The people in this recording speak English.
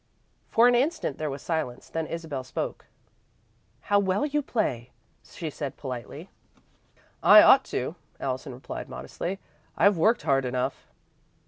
For an instant there was silence, then Isabel spoke. "How well you play!" she said politely. "I ought to," Allison replied, modestly. "I've worked hard enough."